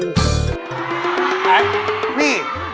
ไงนี่